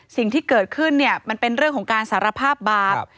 สิ่งที่เกิดขึ้นเนี่ยมันเป็นเรื่องของการสารภาพบาป